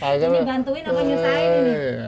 ini bantuin apa nyusahin ini